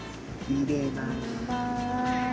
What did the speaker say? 入れます。